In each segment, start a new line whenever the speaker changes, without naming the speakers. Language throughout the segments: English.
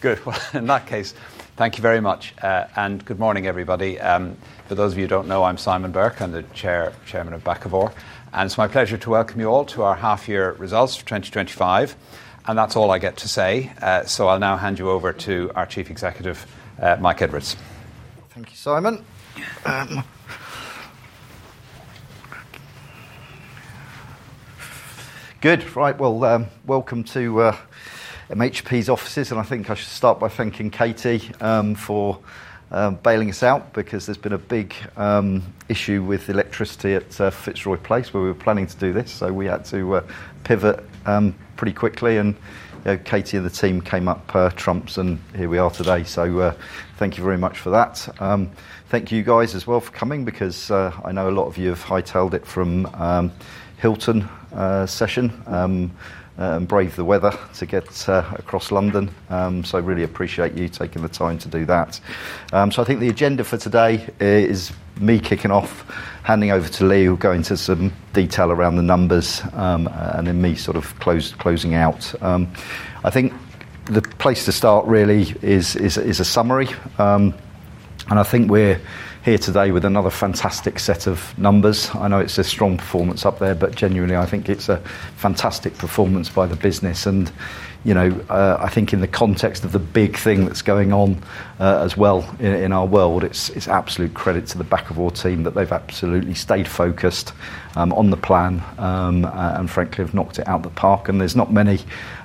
Good. In that case, thank you very much, and good morning, everybody. For those of you who don't know, I'm Simon Burke. I'm the Chairman of Bakkavor, and it's my pleasure to welcome you all to our half-year results for 2025. That's all I get to say, so I'll now hand you over to our Chief Executive, Mike Edwards.
Thank you, Simon. Good. Right. Welcome to MHP's offices. I think I should start by thanking Katie for bailing us out because there's been a big issue with electricity at Fitzroy Place where we were planning to do this. We had to pivot pretty quickly, and Katie and the team came up trumps, and here we are today. Thank you very much for that. Thank you, you guys as well for coming because I know a lot of you have hightailed it from Hilton session and braved the weather to get across London. I really appreciate you taking the time to do that. I think the agenda for today is me kicking off, handing over to Lee, going to some detail around the numbers, and then me sort of closing out. I think the place to start really is a summary. I think we're here today with another fantastic set of numbers. I know it's a strong performance up there, but genuinely, I think it's a fantastic performance by the business. I think in the context of the big thing that's going on as well in our world, it's absolute credit to the Bakkavor team that they've absolutely stayed focused on the plan and frankly have knocked it out of the park. There's not many,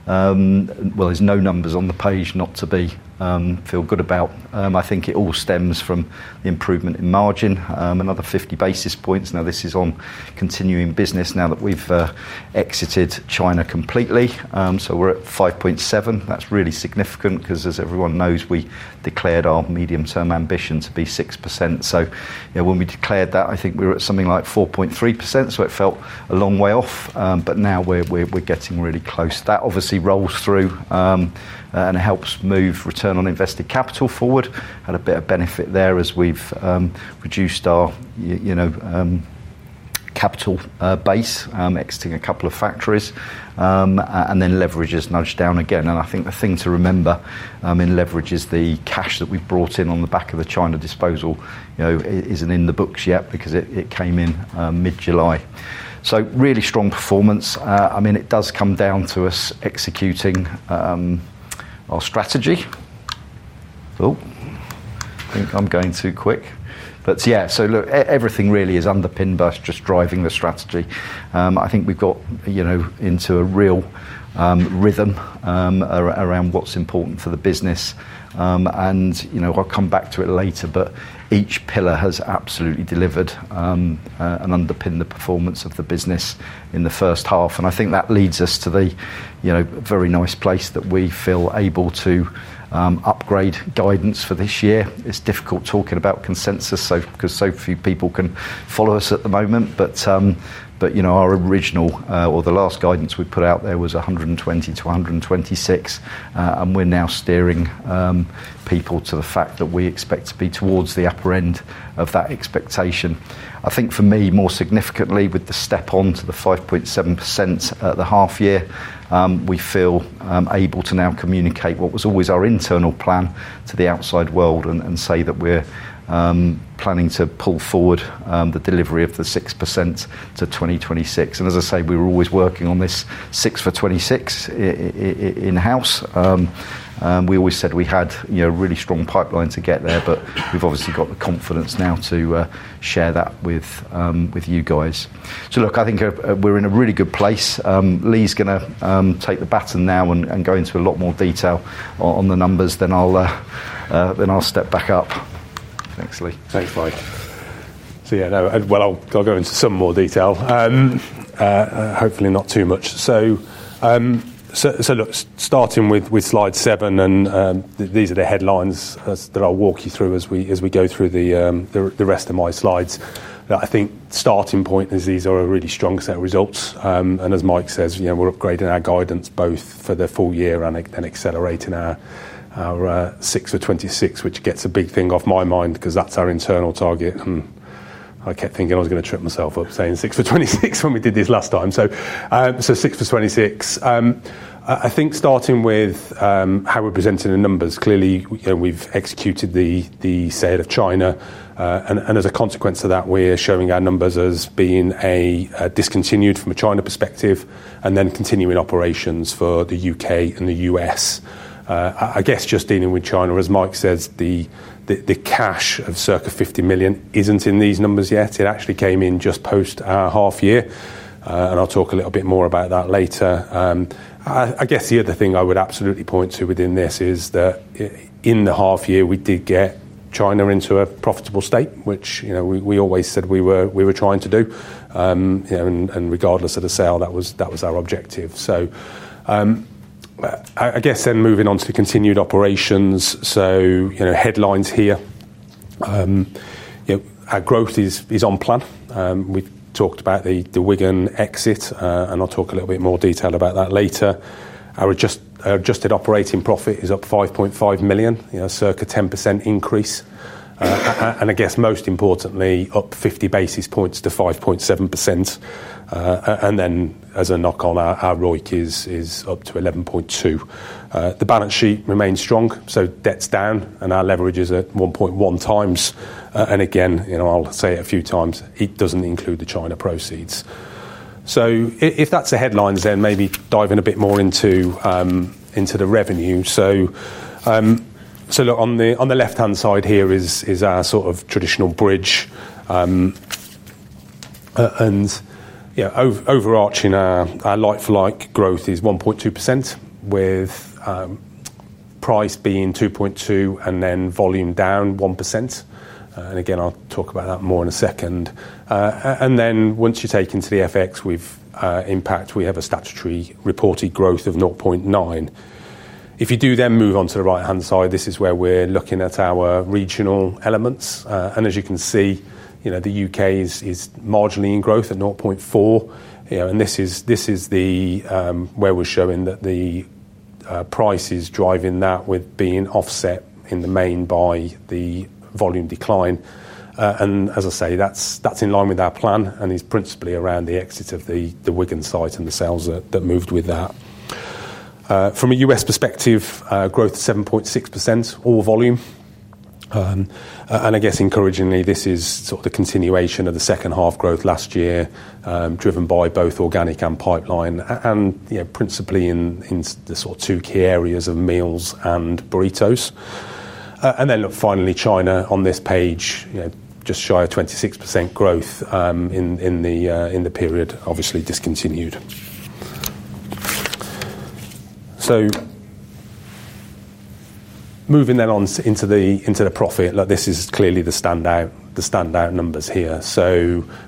well, there's no numbers on the page not to feel good about. I think it all stems from the improvement in margin, another 50 basis points. This is on continuing business now that we've exited China completely. We're at 5.7%. That's really significant because, as everyone knows, we declared our medium-term ambition to be 6%. When we declared that, I think we were at something like 4.3%. It felt a long way off, but now we're getting really close. That obviously rolls through, and it helps move return on invested capital forward. Had a bit of benefit there as we've reduced our capital base, exiting a couple of factories, and then leverage has nudged down again. The thing to remember in leverage is the cash that we've brought in on the back of the China disposal isn't in the books yet because it came in mid-July. Really strong performance. It does come down to us executing our strategy. I think I'm going too quick. Everything really is underpinned by us just driving the strategy. I think we've got into a real rhythm around what's important for the business. I'll come back to it later, but each pillar has absolutely delivered and underpinned the performance of the business in the first half. I think that leads us to the very nice place that we feel able to upgrade guidance for this year. It's difficult talking about consensus because so few people can follow us at the moment, but our original, or the last guidance we put out there, was 120 million to 126 million, and we're now steering people to the fact that we expect to be towards the upper end of that expectation. I think for me, more significantly, with the step on to the 5.7% at the half-year, we feel able to now communicate what was always our internal plan to the outside world and say that we're planning to pull forward the delivery of the 6% to 2026. As I say, we were always working on this 6% for 2026 in-house. We always said we had a really strong pipeline to get there, but we've obviously got the confidence now to share that with you guys. I think we're in a really good place. Lee's going to take the baton now and go into a lot more detail on the numbers. I'll step back up. Thanks, Lee.
Thanks, Mike. Yeah, I'll go into some more detail, hopefully not too much. Starting with slide seven, these are the headlines that I'll walk you through as we go through the rest of my slides. I think the starting point is these are a really strong set of results. As Mike says, we're upgrading our guidance both for the full year and accelerating our 6% for 2026, which gets a big thing off my mind because that's our internal target. I kept thinking I was going to trip myself up saying 6% for 2026 when we did this last time. 6% for 2026. I think starting with how we're presenting the numbers, clearly, we've executed the sale of China. As a consequence of that, we're showing our numbers as being discontinued from a China perspective and then continuing operations for the U.K. and the U.S. Just dealing with China, as Mike says, the cash of circa 50 million isn't in these numbers yet. It actually came in just post our half-year. I'll talk a little bit more about that later. The other thing I would absolutely point to within this is that in the half-year, we did get China into a profitable state, which, you know, we always said we were trying to do, and regardless of the sale, that was our objective. Moving on to continued operations, headlines here: our growth is on plan. We talked about the Wigan exit, and I'll talk a little bit more detail about that later. Our adjusted operating profit is up 5.5 million, a circa 10% increase. Most importantly, up 50 basis points to 5.7%. As a knock-on, our ROIC is up to 11.2%. The balance sheet remains strong, so debt's down and our leverage is at 1.1x. Again, I'll say it a few times, it doesn't include the China proceeds. If that's the headlines, then maybe dive in a bit more into the revenue. On the left-hand side here is our sort of traditional bridge. Overarching, our like-for-like growth is 1.2% with price being 2.2% and then volume down 1%. I'll talk about that more in a second. Once you take into the FX impact, we have a statutory reported growth of 0.9%. If you then move on to the right-hand side, this is where we're looking at our regional elements. As you can see, the U.K. is marginally in growth at 0.4%. This is where we're showing that the price is driving that, with being offset in the main by the volume decline. That's in line with our plan and is principally around the exit of the Wigan site and the sales that moved with that. From a U.S. perspective, growth is 7.6%, all volume. Encouragingly, this is the continuation of the second half growth last year, driven by both organic and pipeline, principally in the two key areas of meals and burritos. Finally, China on this page is just shy of 26% growth in the period, obviously discontinued. Moving then into the profit, this is clearly the standout numbers here.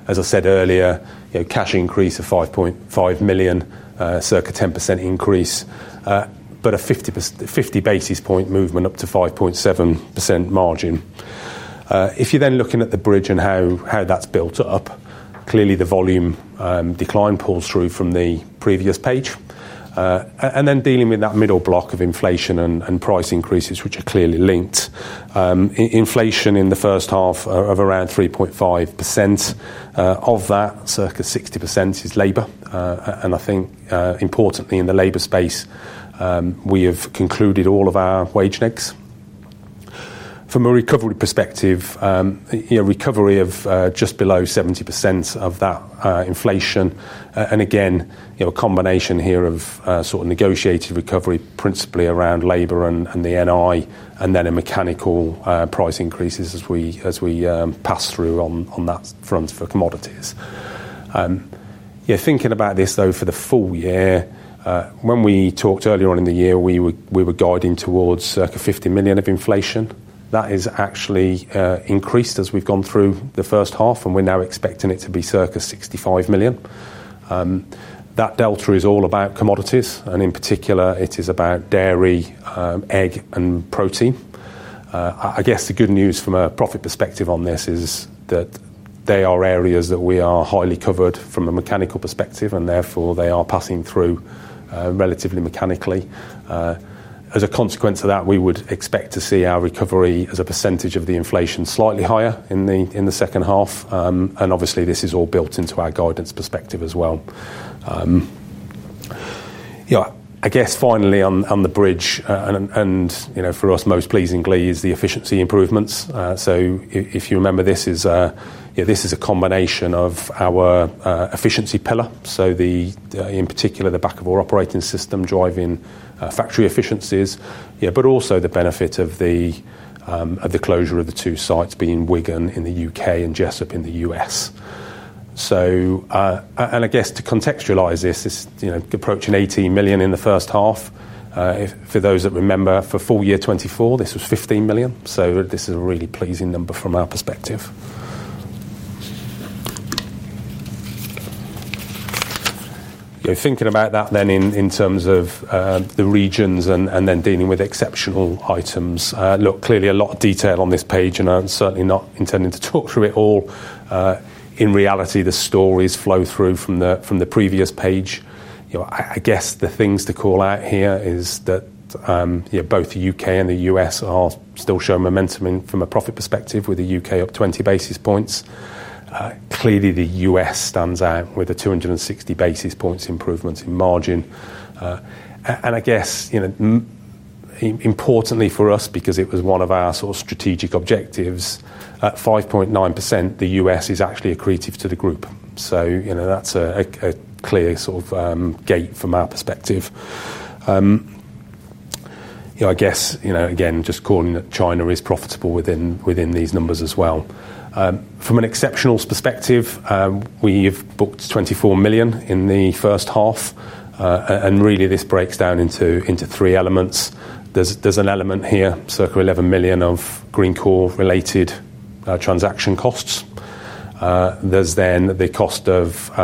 As I said earlier, cash increase of 5.5 million, circa 10% increase, but a 50 basis point movement up to 5.7% margin. If you're then looking at the bridge and how that's built up, the volume decline pulls through from the previous page. Dealing with that middle block of inflation and price increases, which are clearly linked, inflation in the first half is around 3.5%, of that, circa 60% is labor. Importantly in the labor space, we have concluded all of our wage necks. From a recovery perspective, recovery of just below 70% of that inflation. A combination here of negotiated recovery principally around labor and the NI, and then a mechanical price increases as we pass through on that front for commodities. Thinking about this for the full year, when we talked earlier in the year, we were guiding towards circa 50 million of inflation. That has actually increased as we've gone through the first half, and we're now expecting it to be circa 65 million. That delta is all about commodities, and in particular, it is about dairy, egg, and protein. The good news from a profit perspective on this is that they are areas that we are highly covered from a mechanical perspective, and therefore they are passing through relatively mechanically. As a consequence of that, we would expect to see our recovery as a percentage of the inflation slightly higher in the second half. This is all built into our guidance perspective as well. Yeah, I guess finally on the bridge, and for us most pleasingly is the efficiency improvements. If you remember, this is a combination of our efficiency pillar, in particular, the Bakkavor Operating System driving factory efficiencies, but also the benefit of the closure of the two sites being Wigan in the U.K. and Jessup in the U.S. To contextualize this, approaching 18 million in the first half. For those that remember, for full year 2024, this was 15 million. This is a really pleasing number from our perspective. Thinking about that then in terms of the regions and then dealing with exceptional items, clearly a lot of detail on this page, and I'm certainly not intending to talk through it all. In reality, the stories flow through from the previous page. I guess the things to call out here is that both the U.K. and the U.S. are still showing momentum from a profit perspective with the U.K. up 20 basis points. Clearly the U.S. stands out with a 260 basis points improvement in margin. Importantly for us because it was one of our sort of strategic objectives, at 5.9%, the U.S. is actually accretive to the group. That's a clear sort of gate from our perspective. Again, just calling that China is profitable within these numbers as well. From an exceptional perspective, we have booked 24 million in the first half. This breaks down into three elements. There's an element here, circa 11 million of Greencore related transaction costs. There's then the cost of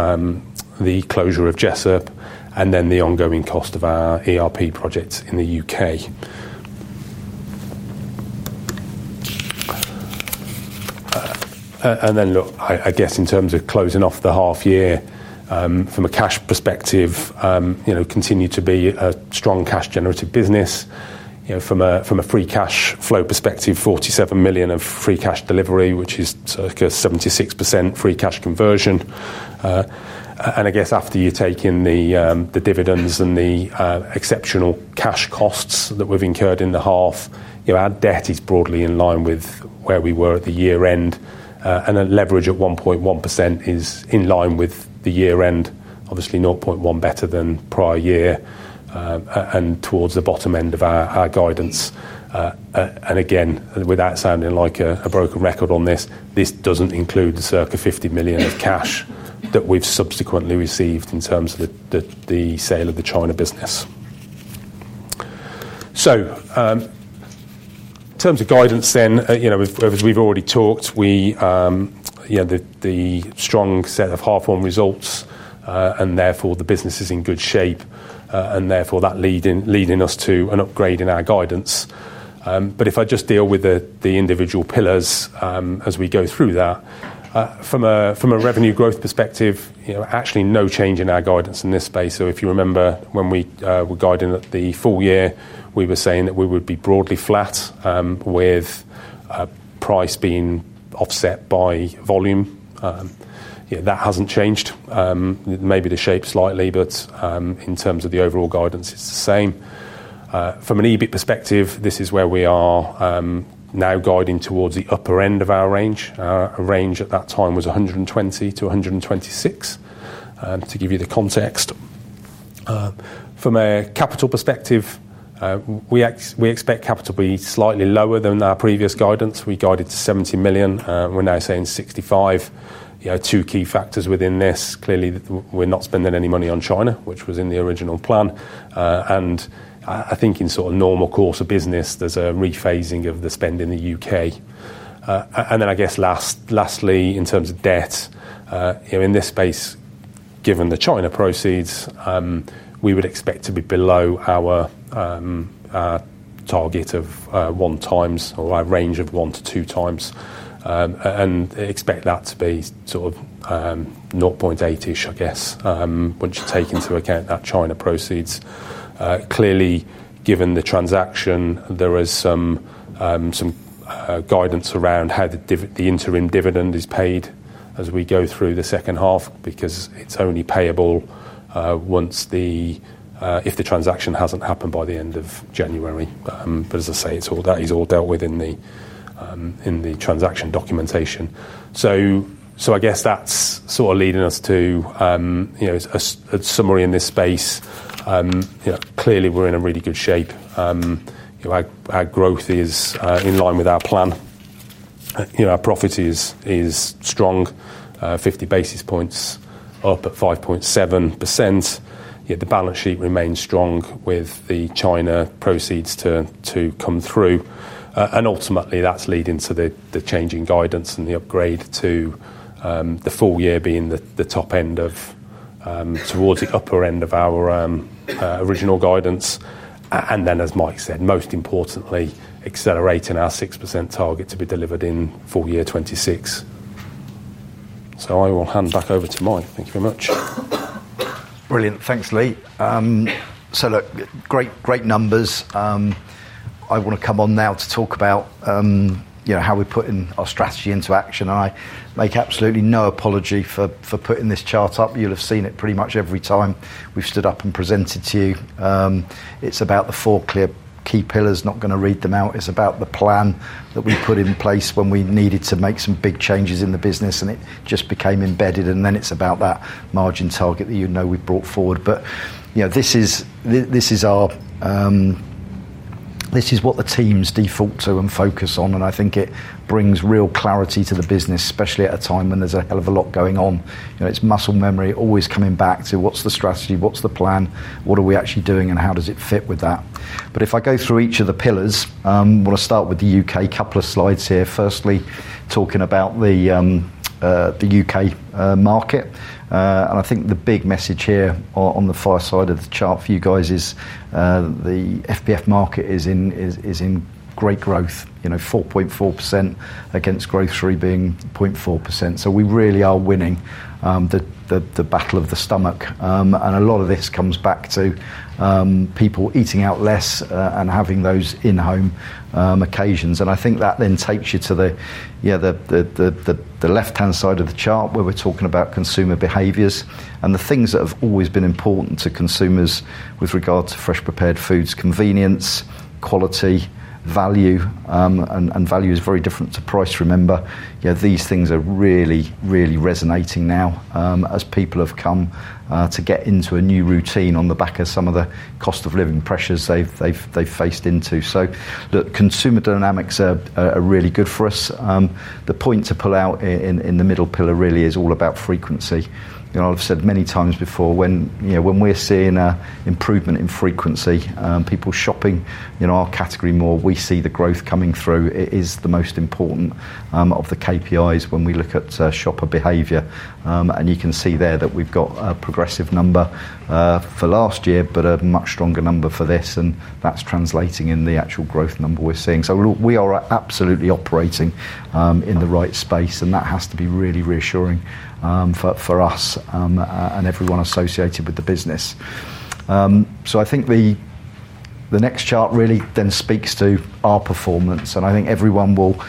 the closure of Jessup and then the ongoing cost of our ERP projects in the UK. In terms of closing off the half-year, from a cash perspective, we continue to be a strong cash-generative business. From a free cash flow perspective, 47 million of free cash delivery, which is circa 76% free cash conversion. After you take in the dividends and the exceptional cash costs that we've incurred in the half, our debt is broadly in line with where we were at the year-end. The leverage at 1.1% is in line with the year-end, obviously 0.1% better than prior year, and towards the bottom end of our guidance. Again, without sounding like a broken record on this, this doesn't include the circa 50 million of cash that we've subsequently received in terms of the sale of the China business. In terms of guidance then, as we've already talked, the strong set of half-on results, and therefore the business is in good shape, and that is leading us to an upgrade in our guidance. If I just deal with the individual pillars as we go through that, from a revenue growth perspective, actually no change in our guidance in this space. If you remember when we were guiding the full year, we were saying that we would be broadly flat, with price being offset by volume. That hasn't changed. Maybe the shape slightly, but in terms of the overall guidance, it's the same. From an EBIT perspective, this is where we are now guiding towards the upper end of our range. The range at that time was 120 million- 126 million, to give you the context. From a capital perspective, we expect capital to be slightly lower than our previous guidance. We guided to 70 million. We're now saying 65 million. Two key factors within this, clearly that we're not spending any money on China, which was in the original plan, and I think in sort of normal course of business, there's a rephasing of the spend in the U.K. Lastly, in terms of debt, in this space, given the China proceeds, we would expect to be below our target of one times or our range of 1x-2x, and expect that to be sort of 0.8x-ish, I guess, once you take into account that China proceeds. Clearly, given the transaction, there is some guidance around how the interim dividend is paid as we go through the second half because it's only payable if the transaction hasn't happened by the end of January. All that is dealt with in the transaction documentation. That is leading us to a summary in this space. Clearly we're in really good shape. Our growth is in line with our plan. Our profit is strong, 50 basis points up at 5.7%. The balance sheet remains strong with the China proceeds to come through, and ultimately that's leading to the changing guidance and the upgrade to the full year being towards the upper end of our original guidance. And then as Mike said, most importantly, accelerating our 6% target to be delivered in full year 2026. I will hand back over to Mike. Thank you very much.
Brilliant. Thanks, Lee. Great, great numbers. I want to come on now to talk about how we're putting our strategy into action. I make absolutely no apology for putting this chart up. You'll have seen it pretty much every time we've stood up and presented to you. It's about the four clear key pillars. Not going to read them out. It's about the plan that we put in place when we needed to make some big changes in the business, and it just became embedded. It's about that margin target that you know we've brought forward. This is what the teams default to and focus on. I think it brings real clarity to the business, especially at a time when there's a hell of a lot going on. It's muscle memory always coming back to what's the strategy, what's the plan, what are we actually doing, and how does it fit with that? If I go through each of the pillars, I want to start with the UK. A couple of slides here. Firstly, talking about the UK market. I think the big message here on the far side of the chart for you guys is, the FPF market is in great growth, 4.4% against grocery being 0.4%. We really are winning the battle of the stomach. A lot of this comes back to people eating out less, and having those in-home occasions. I think that then takes you to the left-hand side of the chart where we're talking about consumer behaviors and the things that have always been important to consumers with regard to fresh prepared foods: convenience, quality, value, and value is very different to price. Remember, these things are really, really resonating now, as people have come to get into a new routine on the back of some of the cost of living pressures they've faced into. Consumer dynamics are really good for us. The point to pull out in the middle pillar really is all about frequency. I've said many times before, when we're seeing an improvement in frequency, people shopping our category more, we see the growth coming through. It is the most important of the KPIs when we look at shopper behavior. You can see there that we've got a progressive number for last year, but a much stronger number for this. That's translating in the actual growth number we're seeing. We are absolutely operating in the right space. That has to be really reassuring for us and everyone associated with the business. I think the next chart really then speaks to our performance. I think everyone will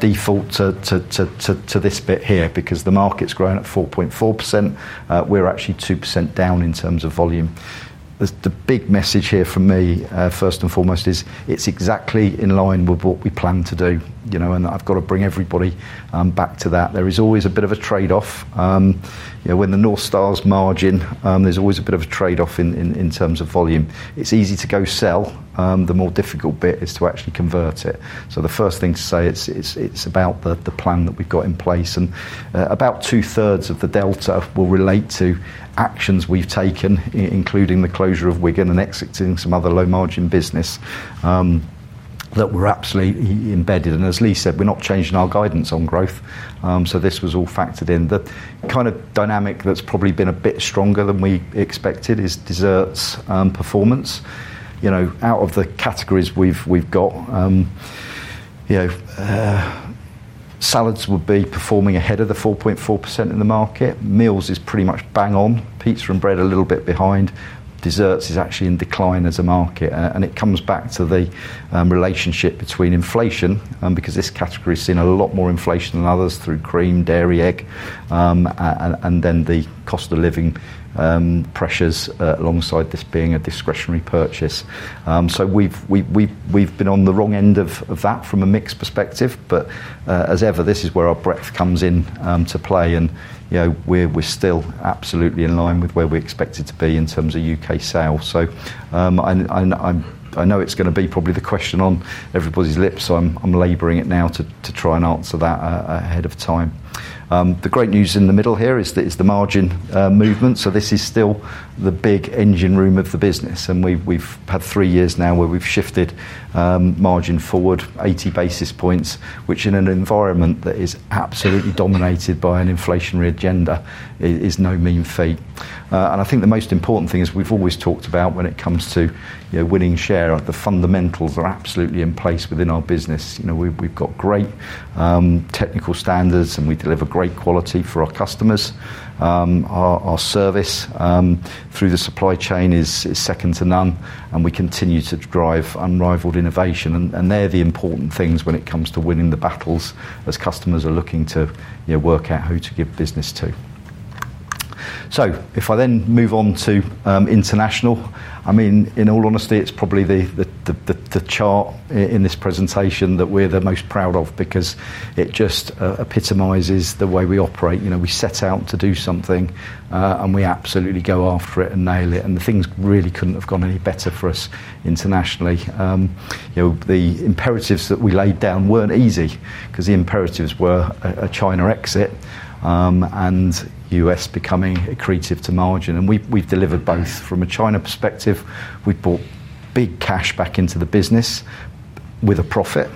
default to this bit here because the market's grown at 4.4%. We're actually 2% down in terms of volume. The big message here for me, first and foremost, is it's exactly in line with what we plan to do, you know, and I've got to bring everybody back to that. There is always a bit of a trade-off. You know, when the North Star's margin, there's always a bit of a trade-off in terms of volume. It's easy to go sell. The more difficult bit is to actually convert it. The first thing to say is it's about the plan that we've got in place. About 2/3 of the delta will relate to actions we've taken, including the closure of Wigan and exiting some other low-margin business that were absolutely embedded. As Lee said, we're not changing our guidance on growth. This was all factored in. The kind of dynamic that's probably been a bit stronger than we expected is desserts performance. Out of the categories we've got, salads would be performing ahead of the 4.4% in the market. Meals is pretty much bang on. Pizza and bread a little bit behind. Desserts is actually in decline as a market. It comes back to the relationship between inflation, because this category has seen a lot more inflation than others through cream, dairy, egg, and then the cost of living pressures, alongside this being a discretionary purchase. We've been on the wrong end of that from a mixed perspective, but as ever, this is where our breadth comes in to play. We're still absolutely in line with where we expect to be in terms of UK sales. I know it's going to be probably the question on everybody's lips, so I'm laboring it now to try and answer that ahead of time. The great news in the middle here is the margin movement. This is still the big engine room of the business. We've had three years now where we've shifted margin forward 80 basis points, which in an environment that is absolutely dominated by an inflationary agenda is no mean feat. I think the most important thing is we've always talked about when it comes to, you know, winning share, the fundamentals are absolutely in place within our business. You know, we've got great technical standards and we deliver great quality for our customers. Our service through the supply chain is second to none. We continue to drive unrivaled innovation. They're the important things when it comes to winning the battles as customers are looking to, you know, work out who to give business to. If I then move on to international, in all honesty, it's probably the chart in this presentation that we're the most proud of because it just epitomizes the way we operate. You know, we set out to do something, and we absolutely go after it and nail it. The things really couldn't have gone any better for us internationally. You know, the imperatives that we laid down weren't easy because the imperatives were a China exit, and U.S. becoming accretive to margin. We've delivered both. From a China perspective, we've brought big cash back into the business with a profit,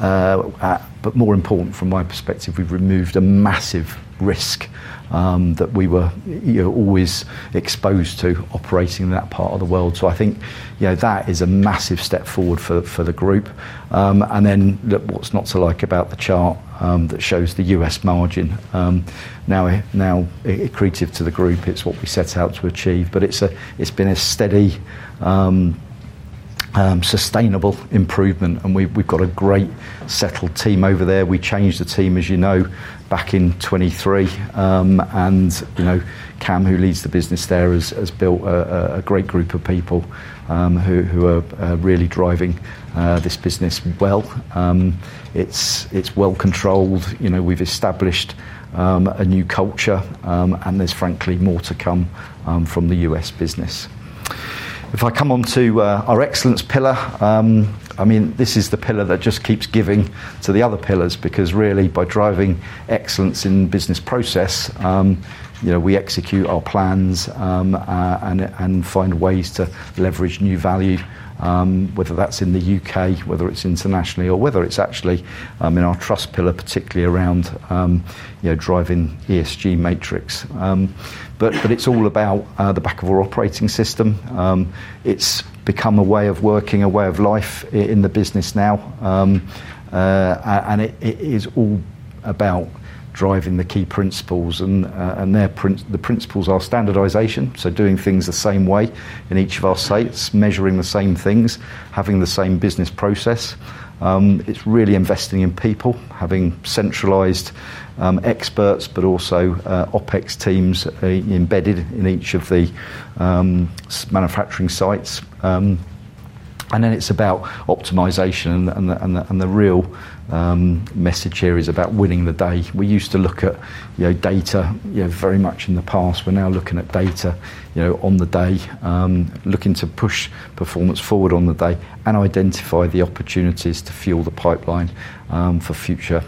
but more important from my perspective, we've removed a massive risk that we were, you know, always exposed to operating in that part of the world. I think that is a massive step forward for the group. Look, what's not to like about the chart that shows the U.S. margin now accretive to the group? It's what we set out to achieve, but it's been a steady, sustainable improvement. We've got a great settled team over there. We changed the team, as you know, back in 2023. Cam, who leads the business there, has built a great group of people who are really driving this business well. It's well controlled. You know, we've established a new culture, and there's frankly more to come from the U.S. business. If I come on to our excellence pillar, this is the pillar that just keeps giving to the other pillars because really by driving excellence in the business process, you know, we execute our plans and find ways to leverage new value, whether that's in the U.K., whether it's internationally, or whether it's actually in our trust pillar, particularly around, you know, driving ESG matrix. It's all about the Bakkavor Operating System. It's become a way of working, a way of life in the business now. It is all about driving the key principles, and the principles are standardization—doing things the same way in each of our sites, measuring the same things, having the same business process. It's really investing in people, having centralized experts, but also OpEx teams embedded in each of the manufacturing sites. Then it's about optimization, and the real message here is about winning the day. We used to look at data very much in the past. We're now looking at data on the day, looking to push performance forward on the day and identify the opportunities to fuel the pipeline for future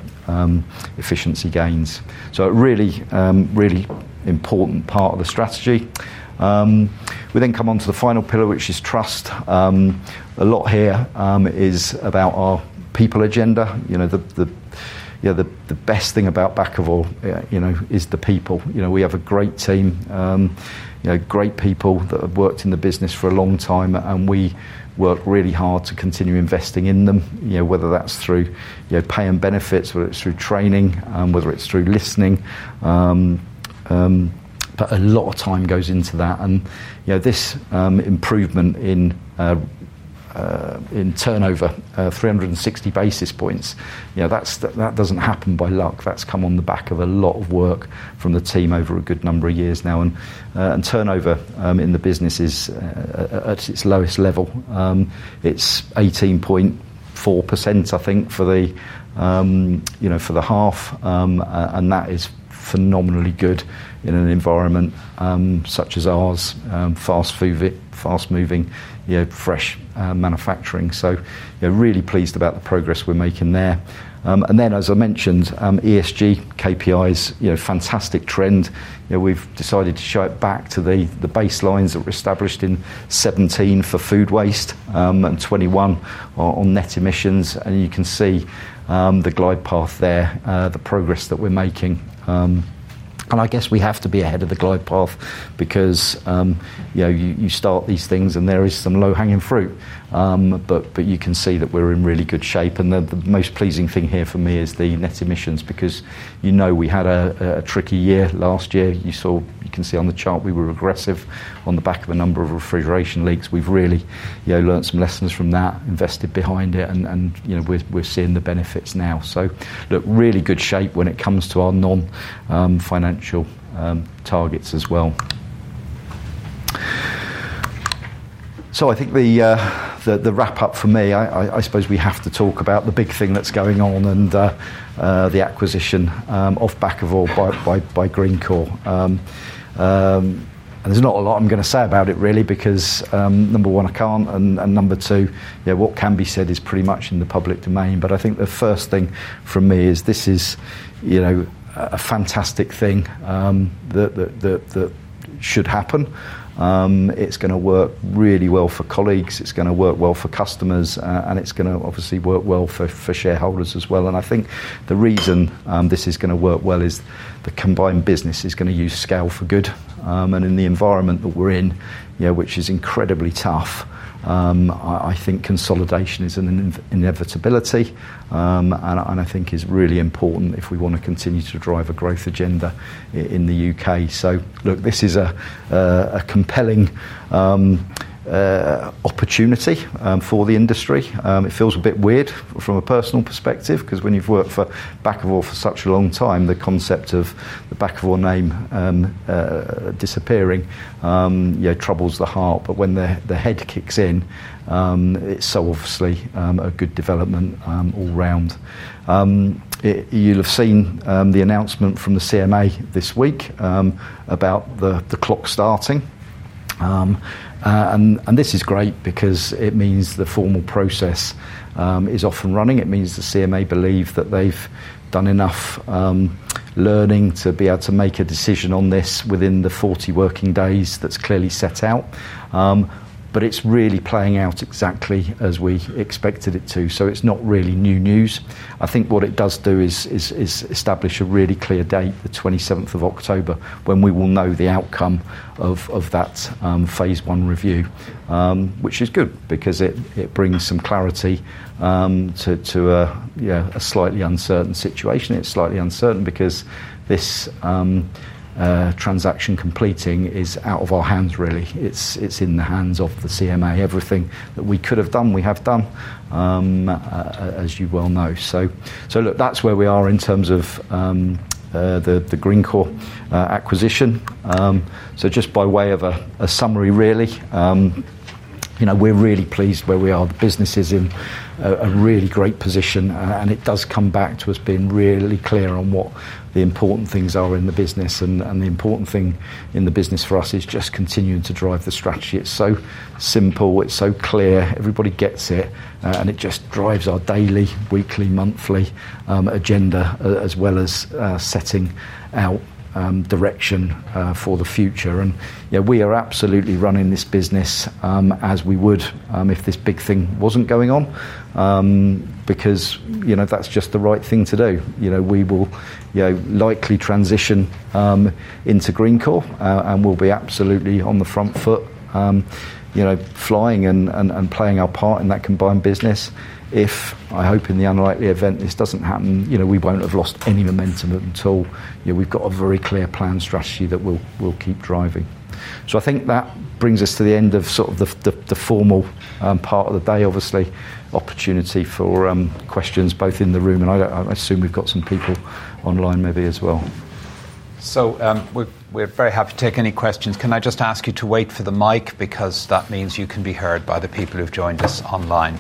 efficiency gains. A really, really important part of the strategy. We then come on to the final pillar, which is trust. A lot here is about our people agenda. The best thing about Bakkavor is the people. We have a great team, great people that have worked in the business for a long time, and we work really hard to continue investing in them, whether that's through pay and benefits, whether it's through training, whether it's through listening. A lot of time goes into that. This improvement in turnover, 360 basis points, that doesn't happen by luck. That's come on the back of a lot of work from the team over a good number of years now. Turnover in the business is at its lowest level. It's 18.4% for the half, and that is phenomenally good in an environment such as ours—fast-moving, fresh manufacturing. Really pleased about the progress we're making there. As I mentioned, ESG KPIs show a fantastic trend. We've decided to show it back to the baselines that were established in 2017 for food waste and 2021 on net emissions. You can see the glide path there, the progress that we're making. We have to be ahead of the glide path because you start these things and there is some low-hanging fruit, but you can see that we're in really good shape. The most pleasing thing here for me is the net emissions because we had a tricky year last year. You saw, you can see on the chart we were aggressive on the back of a number of refrigeration leaks. We've really learned some lessons from that, invested behind it, and we're seeing the benefits now. Really good shape when it comes to our non-financial targets as well. I think the wrap-up for me, I suppose we have to talk about the big thing that's going on, the acquisition of Bakkavor by Greencore. There's not a lot I'm going to say about it really because, number one, I can't. Number two, what can be said is pretty much in the public domain. I think the first thing for me is this is a fantastic thing that should happen. It's going to work really well for colleagues. It's going to work well for customers, and it's going to obviously work well for shareholders as well. I think the reason this is going to work well is the combined business is going to use scale for good. In the environment that we're in, which is incredibly tough, I think consolidation is an inevitability. I think it's really important if we want to continue to drive a growth agenda in the U.K. This is a compelling opportunity for the industry. It feels a bit weird from a personal perspective because when you've worked for Bakkavor for such a long time, the concept of the Bakkavor name disappearing troubles the heart. When the head kicks in, it's so obviously a good development all round. You'll have seen the announcement from CMA this week about the clock starting. This is great because it means the formal process is off and running. It means the CMA believe that they've done enough learning to be able to make a decision on this within the 40 working days that's clearly set out. It's really playing out exactly as we expected it to. It's not really new news. I think what it does do is establish a really clear date, the 27th of October, when we will know the outcome of that phase one review, which is good because it brings some clarity to a slightly uncertain situation. It's slightly uncertain because this transaction completing is out of our hands, really. It's in the hands of the CMA. Everything that we could have done, we have done, as you well know. That's where we are in terms of the Greencore acquisition. Just by way of a summary, really, we're really pleased where we are. The business is in a really great position, and it does come back to us being really clear on what the important things are in the business. The important thing in the business for us is just continuing to drive the strategy. It's so simple. It's so clear. Everybody gets it. It just drives our daily, weekly, monthly agenda as well as setting out direction for the future. We are absolutely running this business as we would if this big thing wasn't going on, because that's just the right thing to do. We will likely transition into Greencore, and we'll be absolutely on the front foot, flying and playing our part in that combined business. If, I hope in the unlikely event this doesn't happen, we won't have lost any momentum at all. We've got a very clear plan strategy that we'll keep driving. I think that brings us to the end of the formal part of the day, obviously. Opportunity for questions both in the room, and I assume we've got some people online maybe as well.
We're very happy to take any questions. Can I just ask you to wait for the mic because that means you can be heard by the people who've joined us online.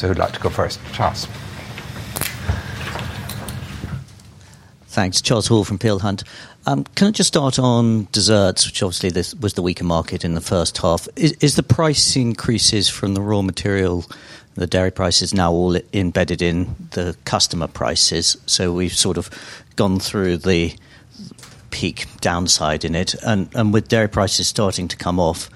Who'd like to go first? Charles.
Thanks. Charles Hall from Peel Hunt. Can I just start on desserts, which obviously this was the weaker market in the first half? Is the price increases from the raw material, the dairy prices now all embedded in the customer prices? We've sort of gone through the peak downside in it. With dairy prices starting to come off,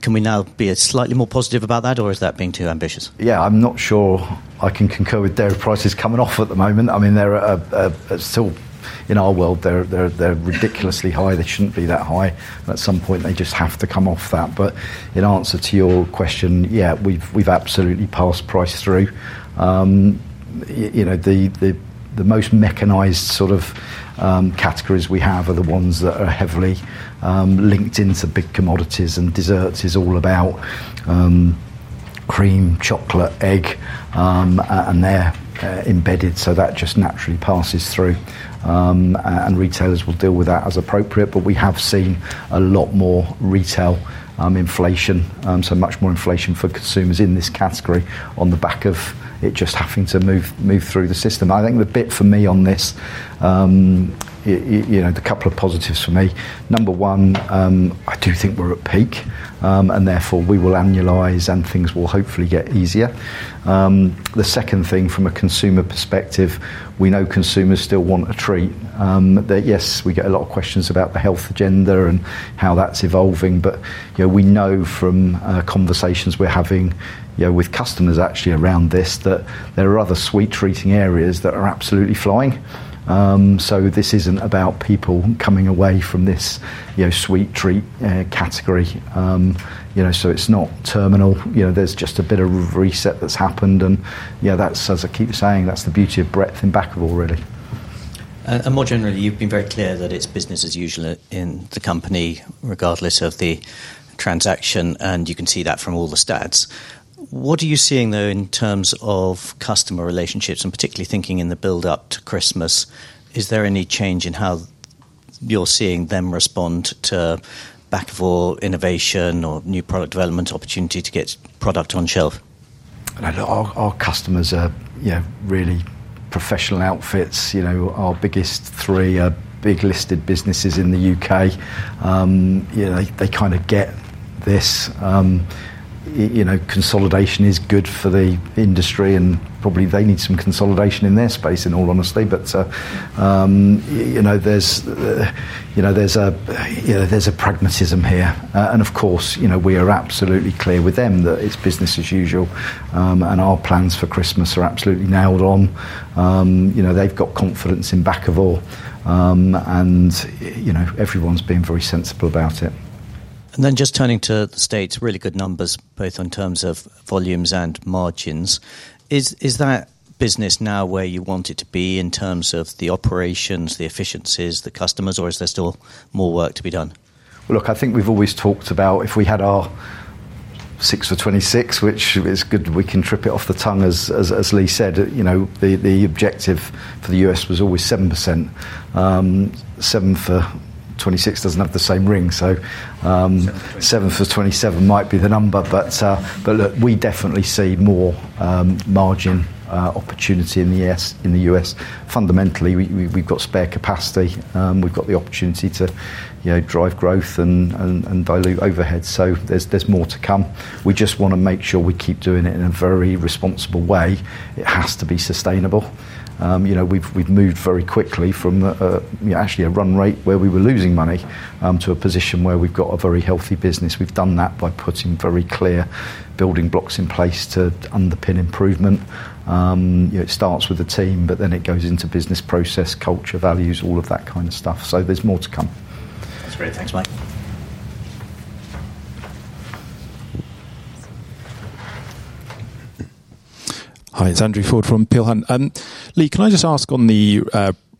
can we now be slightly more positive about that, or is that being too ambitious?
Yeah, I'm not sure I can concur with dairy prices coming off at the moment. I mean, they're still in our world. They're ridiculously high. They shouldn't be that high. At some point, they just have to come off that. In answer to your question, yeah, we've absolutely passed price through. The most mechanized sort of categories we have are the ones that are heavily linked into big commodities. Desserts is all about cream, chocolate, egg, and they're embedded. That just naturally passes through, and retailers will deal with that as appropriate. We have seen a lot more retail inflation, so much more inflation for consumers in this category on the back of it just having to move through the system. I think the bit for me on this, the couple of positives for me. Number one, I do think we're at peak, and therefore we will annualize and things will hopefully get easier. The second thing from a consumer perspective, we know consumers still want a treat. Yes, we get a lot of questions about the health agenda and how that's evolving. We know from conversations we're having with customers actually around this that there are other sweet treating areas that are absolutely flying. This isn't about people coming away from this sweet treat category. It's not terminal. There's just a bit of reset that's happened. That's, as I keep saying, that's the beauty of breadth in Bakkavor already.
You have been very clear that it's business as usual in the company regardless of the transaction, and you can see that from all the stats. What are you seeing though in terms of customer relationships? Particularly thinking in the build-up to Christmas, is there any change in how you're seeing them respond to Bakkavor innovation or new product development opportunity to get product on shelf?
Our customers are really professional outfits. Our biggest three are big listed businesses in the U.K. They kind of get this. Consolidation is good for the industry and probably they need some consolidation in their space in all honesty. There is a pragmatism here. Of course, we are absolutely clear with them that it's business as usual, and our plans for Christmas are absolutely nailed on. They've got confidence in Bakkavor. Everyone's being very sensible about it.
Just turning to the U.S., really good numbers both in terms of volumes and margins. Is that business now where you want it to be in terms of the operations, the efficiencies, the customers, or is there still more work to be done?
Look, I think we've always talked about if we had our 6% for 2026, which is good, we can trip it off the tongue as Lee said. You know, the objective for the U.S. was always 7%. 7% for 2026 doesn't have the same ring. 7% for 2027 might be the number, but look, we definitely see more margin opportunity in the U.S. Fundamentally, we've got spare capacity. We've got the opportunity to drive growth and dilute overhead. There's more to come. We just want to make sure we keep doing it in a very responsible way. It has to be sustainable. We've moved very quickly from actually a run rate where we were losing money to a position where we've got a very healthy business. We've done that by putting very clear building blocks in place to underpin improvement. You know, it starts with a team, but then it goes into business process, culture, values, all of that kind of stuff. There's more to come.
That's great. Thanks, Mike.
Hi, it's Andrew Ford from Peel Hunt. Lee, can I just ask on the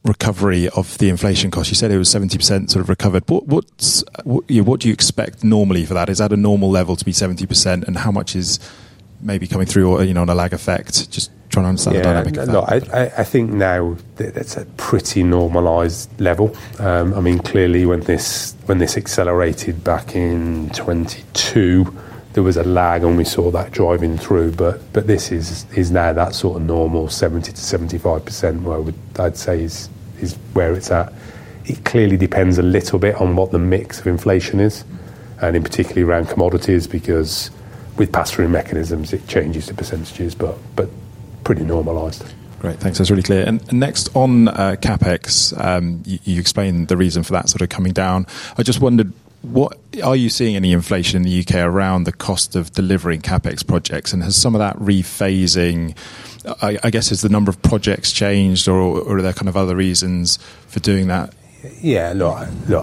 recovery of the inflation cost? You said it was 70% recovered. What do you expect normally for that? Is that a normal level to be 70%, and how much is maybe coming through or on a lag effect? Just trying to understand the dynamic.
Yeah, look, I think now that's a pretty normalized level. I mean, clearly when this accelerated back in 2022, there was a lag and we saw that driving through. This is now that sort of normal 70%- 75% where I'd say is where it's at. It clearly depends a little bit on what the mix of inflation is, and particularly around commodities because with pass-through mechanisms, it changes the percentages, but pretty normalized.
Great. Thanks. That's really clear. Next, on CapEx, you've explained the reason for that sort of coming down. I just wondered, are you seeing any inflation in the UK around the cost of delivering CapEx projects? Has some of that rephasing, I guess, has the number of projects changed or are there kind of other reasons for doing that?
Yeah,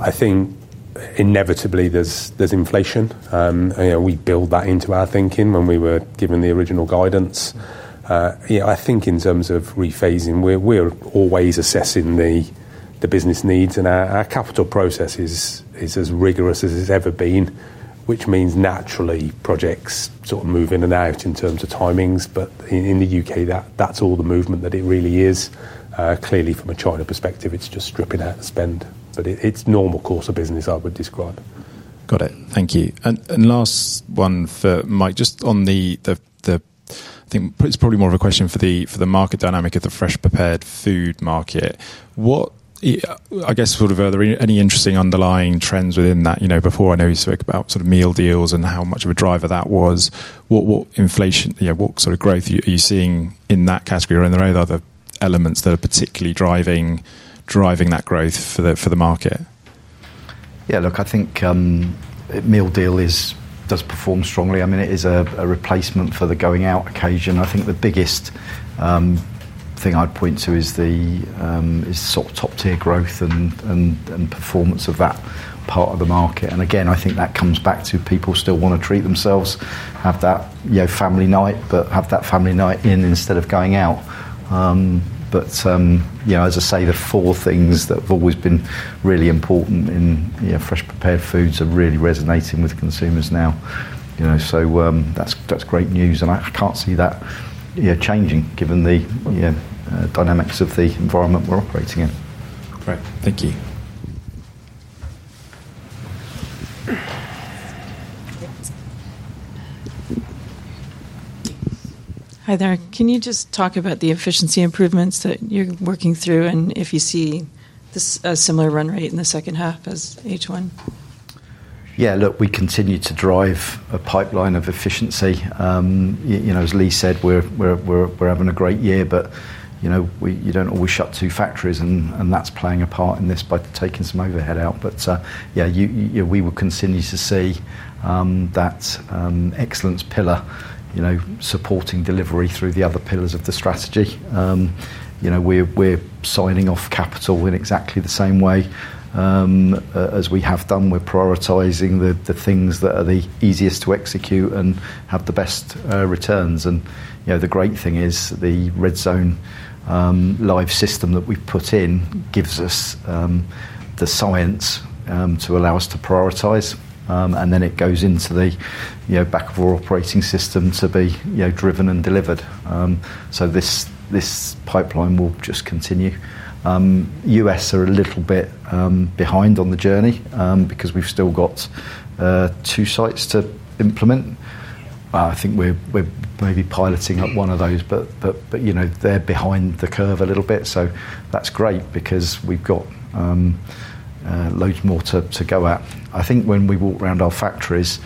I think inevitably there's inflation. You know, we build that into our thinking when we were given the original guidance. I think in terms of rephasing, we're always assessing the business needs and our capital process is as rigorous as it's ever been, which means naturally projects sort of move in and out in terms of timings. In the U.K., that's all the movement that it really is. Clearly from a China perspective, it's just stripping out of spend. It's a normal course of business I would describe.
Thank you. Last one for Mike, just on the I think it's probably more of a question for the market dynamic at the fresh prepared food market. What, I guess, are there any interesting underlying trends within that? You know, before, I know you spoke about meal deals and how much of a driver that was. What inflation, what sort of growth are you seeing in that category? Are there any other elements that are particularly driving that growth for the market?
Yeah, look, I think meal deal does perform strongly. I mean, it is a replacement for the going out occasion. I think the biggest thing I'd point to is the sort of top tier growth and performance of that part of the market. I think that comes back to people still want to treat themselves, have that, you know, family night, but have that family night in instead of going out. You know, as I say, the four things that have always been really important in fresh prepared foods are really resonating with consumers now, so that's great news. I can't see that changing given the dynamics of the environment we're operating in.
All right. Thank you.
Hi there. Can you just talk about the efficiency improvements that you're working through, and if you see a similar run rate in the second half as H1?
Yeah, look, we continue to drive a pipeline of efficiency. As Lee said, we're having a great year, but you don't always shut two factories and that's playing a part in this by taking some overhead out. Yeah, we will continue to see that excellence pillar supporting delivery through the other pillars of the strategy. We're signing off capital in exactly the same way as we have done. We're prioritizing the things that are the easiest to execute and have the best returns. The great thing is the Redz one live system that we've put in gives us the science to allow us to prioritize, and then it goes into the Bakkavor Operating System to be driven and delivered. This pipeline will just continue. U.S. are a little bit behind on the journey because we've still got two sites to implement.
I think we're maybe piloting up one of those, but they're behind the curve a little bit. That's great because we've got loads more to go at. I think when we walk around our factories,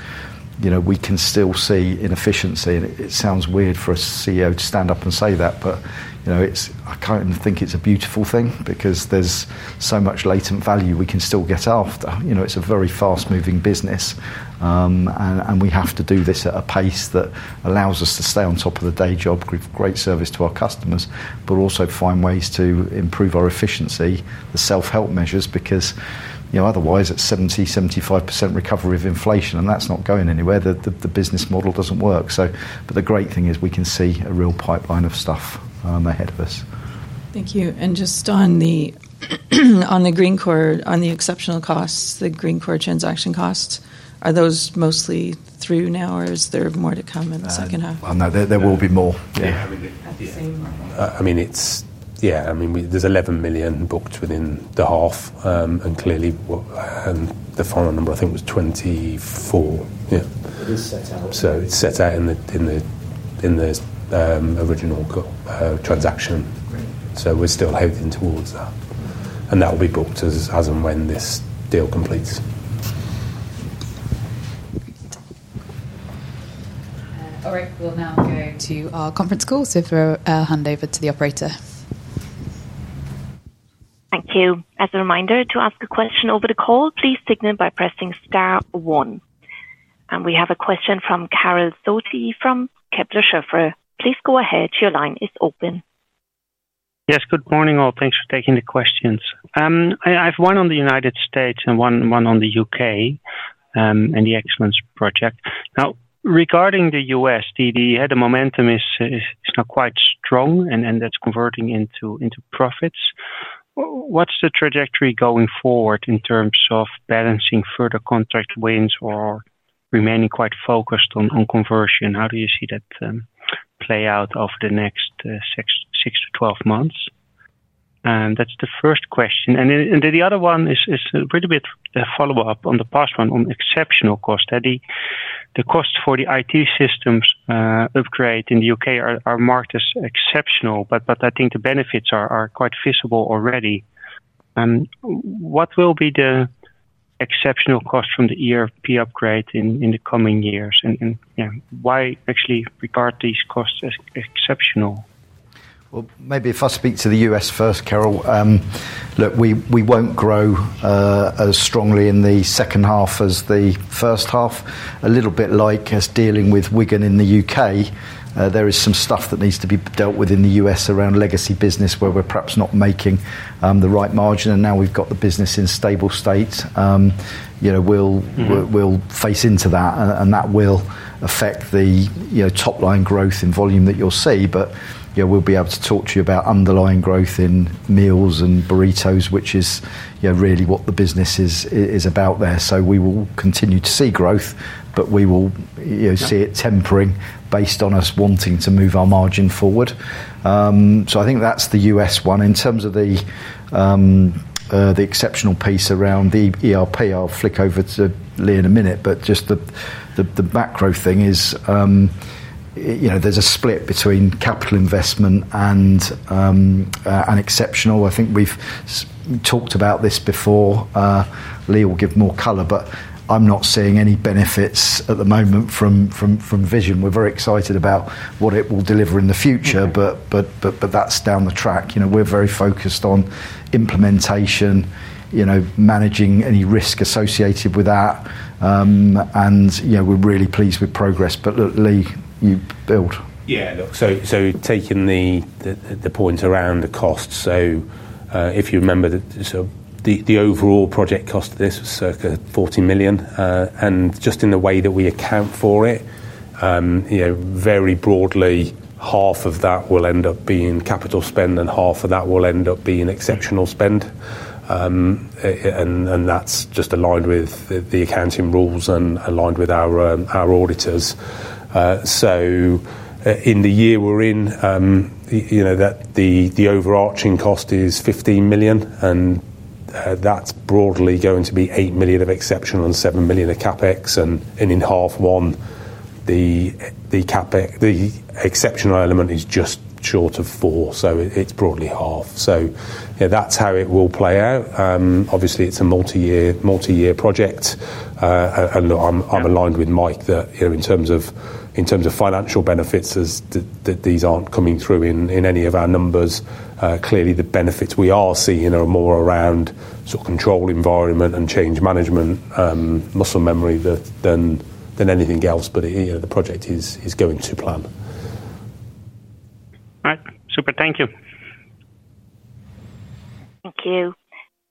we can still see inefficiency. It sounds weird for a CEO to stand up and say that, but it's, I kind of think it's a beautiful thing because there's so much latent value we can still get after. It's a very fast-moving business, and we have to do this at a pace that allows us to stay on top of the day job, give great service to our customers, but also find ways to improve our efficiency, the self-help measures because otherwise it's 70%, 75% recovery of inflation, and that's not going anywhere. The business model doesn't work. The great thing is we can see a real pipeline of stuff ahead of us.
Thank you. Just on the Greencore, on the exceptional costs, the Greencore transaction costs, are those mostly through now, or is there more to come in the second half?
There will be more. Yeah, I mean, there's 11 million booked within the half. Clearly, the final number I think was 24 million. It's set out in the original transaction. We're still heading towards that, and that will be booked as and when this deal completes.
Great. All right. We'll now go to our conference call for a handover to the operator.
Thank you. As a reminder, to ask a question over the call, please signal by pressing star one. We have a question from Karel Zosi from Kepler Cheuvreux. Please go ahead. Your line is open.
Yes, good morning all. Thanks for taking the questions. I have one on the U.S. and one on the U.K. and the excellence project. Regarding the U.S., the head of momentum is not quite strong and that's converting into profits. What's the trajectory going forward in terms of balancing further contract wins or remaining quite focused on conversion? How do you see that play out over the next six to 12 months? That's the first question. The other one is a little bit a follow-up on the past one on exceptional cost. The costs for the IT systems upgrade in the UK are marked as exceptional, but I think the benefits are quite visible already. What will be the exceptional cost from the ERP upgrade in the coming years? Yeah, why actually regard these costs as exceptional?
Maybe if I speak to the U.S. first, Carol, look, we won't grow as strongly in the second half as the first half. A little bit like us dealing with Wigan in the U.K. There is some stuff that needs to be dealt with in the U.S. around legacy business where we're perhaps not making the right margin. Now we've got the business in stable states, we'll face into that and that will affect the top line growth in volume that you'll see. We'll be able to talk to you about underlying growth in meals and burritos, which is really what the business is about there. We will continue to see growth, but we will see it tempering based on us wanting to move our margin forward. I think that's the U.S. one. In terms of the exceptional piece around the ERP, I'll flick over to Lee in a minute, but just the macro thing is, there's a split between capital investment and exceptional. I think we've talked about this before. Lee will give more color, but I'm not seeing any benefits at the moment from vision. We're very excited about what it will deliver in the future, but that's down the track. We're very focused on implementation, managing any risk associated with that, and we're really pleased with progress. Lee, you build.
Yeah, look, so taking the points around the costs. If you remember, the overall project cost of this was circa 14 million, and just in the way that we account for it, very broadly, half of that will end up being capital spend and half of that will end up being exceptional spend. That's just aligned with the accounting rules and aligned with our auditors. In the year we're in, the overarching cost is 15 million, and that's broadly going to be 8 million of exceptional and 7 million of CapEx. In half one, the exceptional element is just short of 4 million, so it's broadly half. That's how it will play out. Obviously, it's a multi-year project. I'm aligned with Mike that in terms of financial benefits, these aren't coming through in any of our numbers. Clearly, the benefits we are seeing are more around sort of control environment and change management, muscle memory than anything else. The project is going to plan.
All right. Super. Thank you.
Thank you.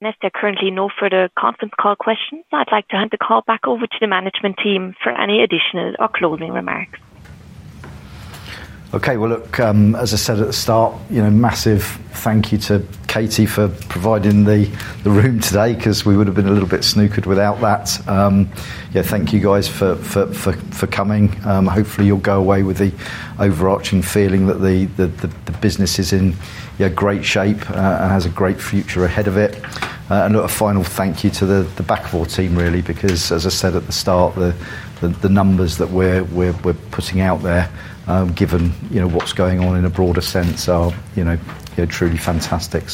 If there are currently no further conference call questions, I'd like to hand the call back over to the management team for any additional or closing remarks.
Okay. As I said at the start, massive thank you to Katie for providing the room today because we would have been a little bit snookered without that. Thank you guys for coming. Hopefully, you'll go away with the overarching feeling that the business is in great shape and has a great future ahead of it. A final thank you to the Bakkavor team, really, because, as I said at the start, the numbers that we're putting out there, given what's going on in a broader sense, are truly fantastic.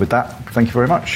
With that, thank you very much.